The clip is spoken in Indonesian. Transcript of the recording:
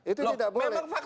itu tidak boleh